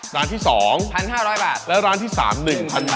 ร้านแรก